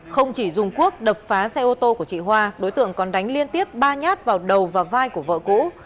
không chỉ dùng quốc đập phá xe ô tô của chị hoa đối tượng còn đánh liên tiếp ba nhát vào đầu và vai của vợ cũ